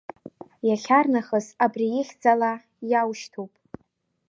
Иахьарнахыс абри, ихьӡала иаушьҭуп.